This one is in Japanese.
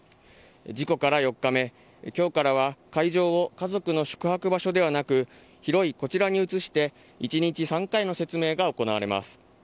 事故から４日目、きょうからは会場を家族の宿泊場所ではなく、広いこちらに移して、１日３回の説明が行われます。